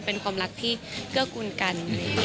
เป็นความรักที่เกื้อกูลกัน